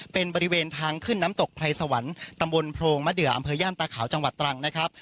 เป็นบริเวณทางขึ้นน้ำตกไพรสวรรค์ตำบลโพรงมะเดืออำเภอย่านตาขาวจังหวัดตรังนะครับ